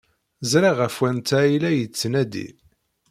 Ẓriɣ ɣef wanta ay la yettnadi.